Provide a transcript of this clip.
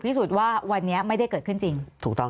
เพราะถ้าเข้าไปอ่านมันจะสนุกมาก